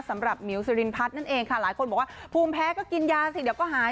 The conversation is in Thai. สำหรับหมิวสิรินพัฒน์นั่นเองค่ะหลายคนบอกว่าภูมิแพ้ก็กินยาสิเดี๋ยวก็หาย